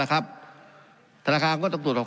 การปรับปรุงทางพื้นฐานสนามบิน